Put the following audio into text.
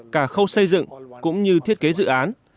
cả khâu xây dựng cũng như thiết kế dự án